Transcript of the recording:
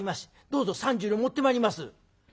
どうぞ３０両持ってまいります」。